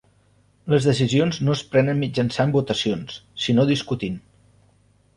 Les decisions no es prenen mitjançant votacions, sinó discutint.